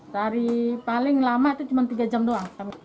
dari paling lama itu cuma tiga jam doang